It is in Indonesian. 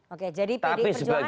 oke jadi pd perjuangan sama salah ya